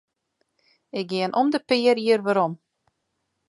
Ik gean om de pear jier werom.